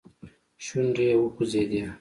شونډي يې وخوځېدې.